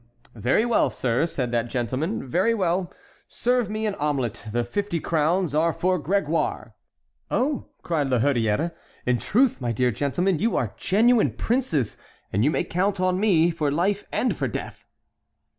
"Very well, sir," said that gentleman; "very well. Serve me an omelet. The fifty crowns are for Grégoire." "Oh!" cried La Hurière; "in truth, my dear gentlemen, you are genuine princes, and you may count on me for life and for death."